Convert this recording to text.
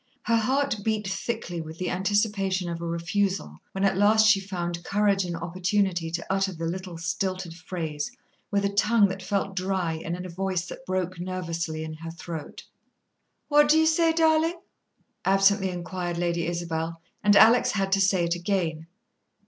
Her heart beat thickly with the anticipation of a refusal, when at last she found courage and opportunity to utter the little stilted phrase, with a tongue that felt dry and in a voice that broke nervously in her throat. "What do you say, darling?" absently inquired Lady Isabel; and Alex had to say it again.